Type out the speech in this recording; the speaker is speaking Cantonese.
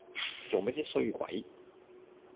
做咩啫衰鬼